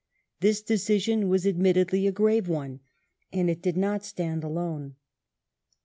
This decision was admittedly a grave one,^ and it did not stand alone.